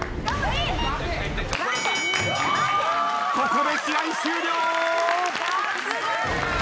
ここで試合終了。